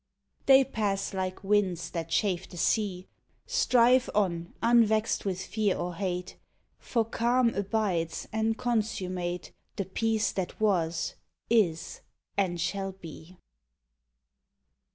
They pass like winds that chafe the sea Strive on un vexed with fear or hate, For calm abides and consummate The Peace that was, is and shall be.